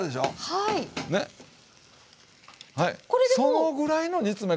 はいそのぐらいの煮詰め